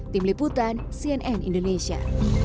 tim liputan cnn indonesia